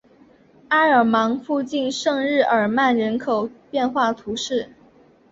埃尔芒附近圣日耳曼人口变化图示